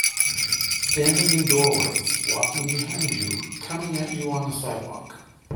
Standing in doorways, walking behind you, coming at you on the sidewalk.